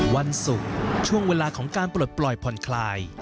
วันศุกร์ช่วงเวลาของการปลดปล่อยผ่อนคลาย